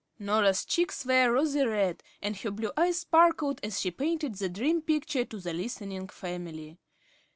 Norah's cheeks were rosy red, and her blue eyes sparkled as she painted the dream picture to the listening family.